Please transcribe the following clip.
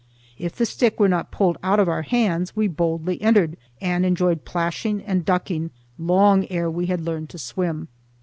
If the stick were not pulled out of our hands, we boldly entered and enjoyed plashing and ducking long ere we had learned to swim.